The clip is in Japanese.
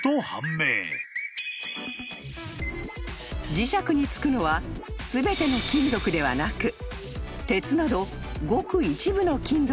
［磁石につくのは全ての金属ではなく鉄などごく一部の金属の性質］